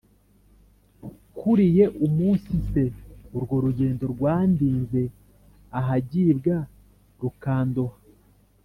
kuriyeUmunsi se urwo rugendo Rwandinze ahagibwa Rukandoha